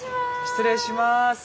失礼します。